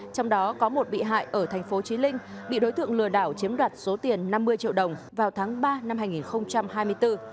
trong đó có một bị hại ở thành phố trí linh bị đối tượng lừa đảo chiếm đoạt số tiền năm mươi triệu đồng vào tháng ba năm hai nghìn hai mươi bốn